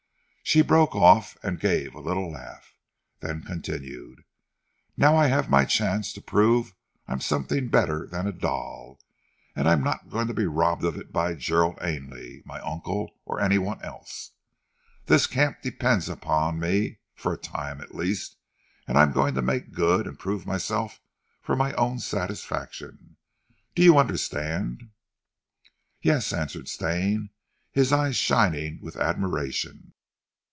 She broke off, and gave a little laugh, then continued: "Now I have my chance to prove I'm something better than a doll, and I'm not going to be robbed of it by Gerald Ainley, my uncle, or any one else! This camp depends on me for a time at least, and I'm going to make good; and prove myself for my own satisfaction. Do you understand?" "Yes," answered Stane, his eyes shining with admiration.